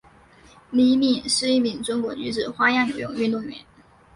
李敏是一名中国女子花样游泳运动员。